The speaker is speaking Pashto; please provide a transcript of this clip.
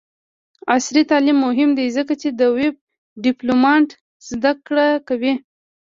عصري تعلیم مهم دی ځکه چې د ویب ډیولپمنټ زدکړه کوي.